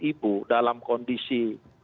ibu dalam kondisi